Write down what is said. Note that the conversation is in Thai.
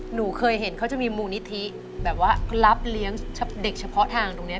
หนูเคยเห็นเขาจะมีมูลนิธิแบบว่ารับเลี้ยงเด็กเฉพาะทางตรงนี้